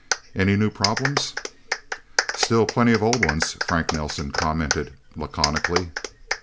Any new problems?" "Still plenty of old ones," Frank Nelsen commented laconically.